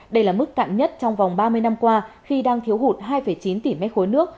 đây là mức tặng nhất trong vòng ba mươi năm qua khi đang thiếu hụt hai chín tỷ mét khối nước